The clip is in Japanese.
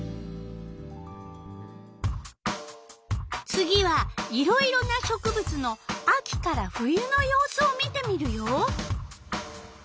次はいろいろな植物の秋から冬の様子を見てみるよ。